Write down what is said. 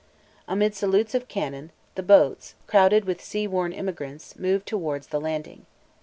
Amid salutes of cannon, the boats, crowded with sea worn emigrants, moved towards the landing.